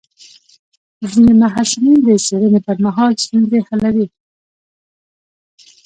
ځینې محصلین د څېړنې پر مهال ستونزې حلوي.